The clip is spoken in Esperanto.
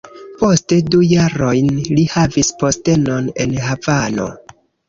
Poste du jarojn li havis postenon en Havano.